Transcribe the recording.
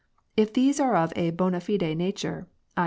If these are of a bond fide nature \i.